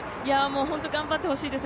本当に頑張ってほしいです。